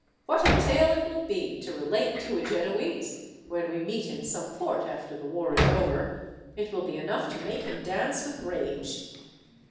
What a tale it will be to relate to a Genoese, when we meet in some port after the war is over; it will be enough to make him dance with rage.